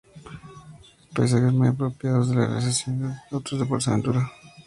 Paisajes muy apropiados para la realización de senderismo y otros deportes de aventura.